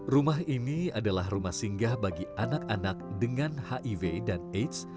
rumah ini adalah rumah singgah bagi anak anak dengan hiv dan aids